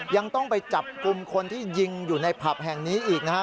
ยังต้องไปจับกลุ่มคนที่ยิงอยู่ในผับแห่งนี้อีกนะฮะ